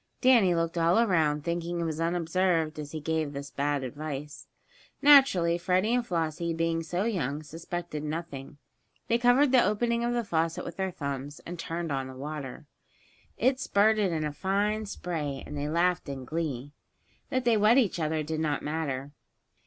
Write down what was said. Danny looked all around, thinking he was unobserved as he gave this bad advice. Naturally, Freddie and Flossie, being so young, suspected nothing. They covered the opening of the faucet with their thumbs, and turned on the water. It spurted in a fine spray, and they laughed in glee. That they wet each other did not matter.